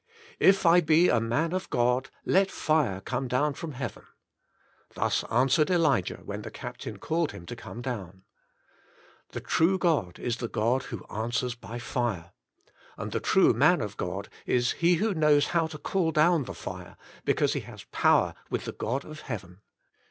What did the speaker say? " If I be a man of God, let fire come down from heaven." Thus answered Elijah when the captain called him to come down. The true God is the God who answers by fire. And the true man of God is he who knows how to call down the fire, because he has power with the God of heaven.